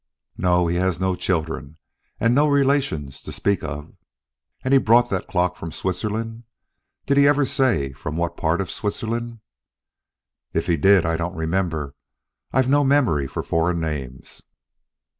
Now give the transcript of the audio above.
"No, he has no children, and no relations, to speak of." "And he brought that clock from Switzerland? Did he ever say from what part of Switzerland?" "If he did, I don't remember; I've no memory for foreign names."